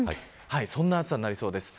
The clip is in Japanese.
そんな暑さになりそうです。